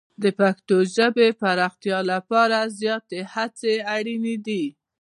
د پښتو ژبې پراختیا لپاره زیاتې هڅې اړینې دي.